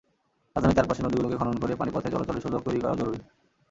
রাজধানীর চারপাশের নদীগুলোকে খনন করে পানিপথে চলাচলের সুযোগ তৈরি করাও জরুরি।